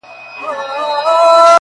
زما د هري شوګيرې ازار وهلې ګله